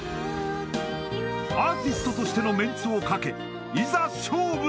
アーティストとしてのメンツをかけいざ勝負！